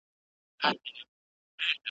ستا د تخت او زما د سر به دښمنان وي `